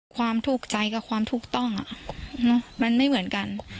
ความถูกใจกับความถูกต้องมันไม่เหมือนกัน